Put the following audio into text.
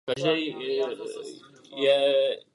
Komise bere na vědomí ochotu italských úřadů ke spolupráci.